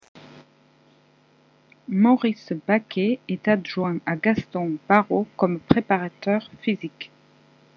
Maurice Bacquet est adjoint à Gaston Barreau comme préparateur physique.